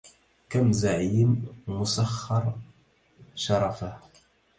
كم زعيم مسخر شرفه